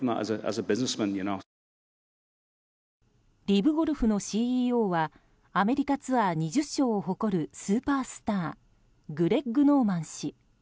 リブゴルフのＣＥＯはアメリカツアー２０勝を誇るスーパースターグレッグ・ノーマン氏。